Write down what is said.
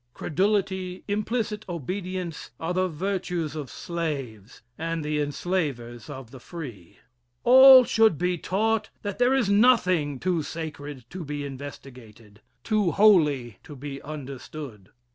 Credulity, implicit obedience, are the virtues of slaves and the enslavers of the free. All should be taught that there is nothing too sacred to be investigated too holy to be understood.